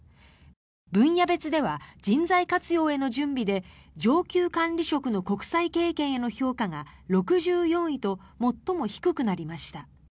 分野別では人材活用への準備で上級管理職の国際経験への評価が６４位と最も低くなりました。